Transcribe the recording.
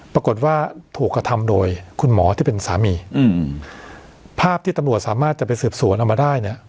ปรากฏว่าถูกกระทำโดยคุณหมอที่เป็นสามีอืมภาพที่ตำรวจสามารถจะไปสืบสวนเอามาได้เนี่ย